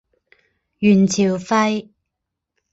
元朝废。